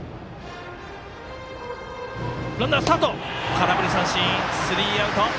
空振り三振、スリーアウト。